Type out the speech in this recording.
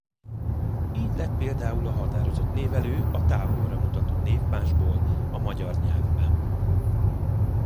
Így lett például a határozott névelő a távolra mutató névmásból a magyar nyelvben.